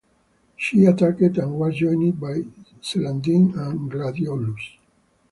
She attacked and was joined by "Celandine" and "Gladiolus".